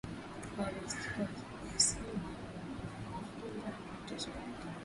Kwaresima ni mafungo na mateso yake